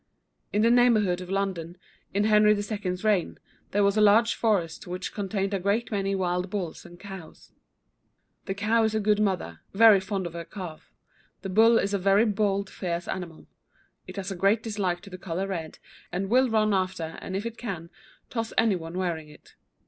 In the neighbourhood of London, in Henry II.'s reign, there was a large forest which contained a great many wild bulls and cows. [Illustration: THE DONKEY.] The cow is a good mother, very fond of her calf. The bull is a very bold, fierce animal. It has a great dislike to the colour red, and will run after and if it can toss any one wearing it.